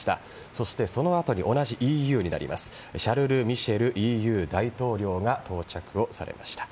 そして、そのあとに同じＥＵのシャルル・ミシェルＥＵ大統領が到着されました。